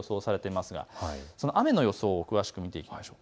雨の予想を詳しく見ていきましょう。